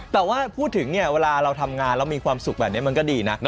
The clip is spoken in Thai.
แต่ว่าพูดถึงเนี่ยเวลาเราทำงานแล้วมีความสุขแบบนี้มันก็ดีนะ